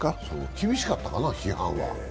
厳しかったかな、批判は？